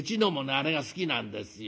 あれが好きなんですよ。